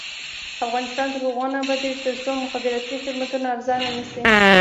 افغانستان تر هغو نه ابادیږي، ترڅو مخابراتي خدمتونه ارزانه نشي.